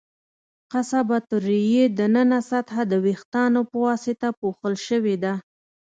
قصبة الریې د ننه سطحه د وېښتانو په واسطه پوښل شوې ده.